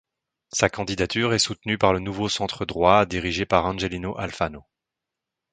Sa candidature est soutenue par le Nouveau Centre-droit, dirigé par Angelino Alfano.